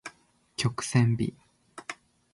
曲線美